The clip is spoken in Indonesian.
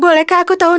bolehkah aku tahu nama